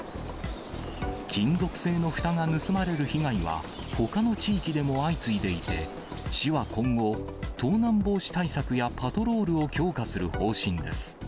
金属製のふたが盗まれる被害は、ほかの地域でも相次いでいて、市は今後、盗難防止対策やパトロールを強化する方針です。